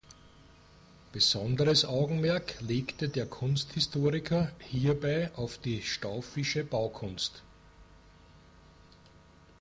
Besonderes Augenmerk legte der Kunsthistoriker hierbei auf die staufische Baukunst.